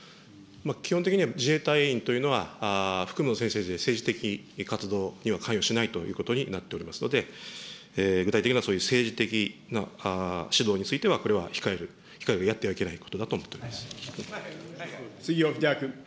基本的には自衛隊員というのは服務の、政治的活動には関与しないということになっておりますので、具体的な、そういう政治的な指導については、これは控える、やっては杉尾秀哉君。